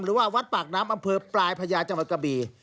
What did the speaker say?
หรือว่าวัดปากน้ำอำเภอปลายพญาจังหวัดกะบี